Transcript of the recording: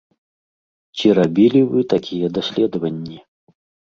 Ці рабілі вы такія даследаванні?